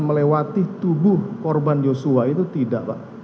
melewati tubuh korban yosua itu tidak pak